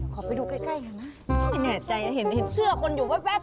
ขอไปดูใกล้เฮ้ยก็เห็นเสื้อคนวับ